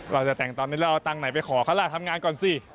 เราจะแต่งตอนนี้เราเอาตังค์ไหนไปขอเขาล่ะทำงานก่อนสิ